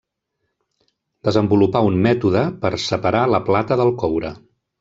Desenvolupà un mètode per a separar la plata del coure.